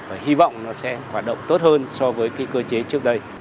và hy vọng nó sẽ hoạt động tốt hơn so với cái cơ chế trước đây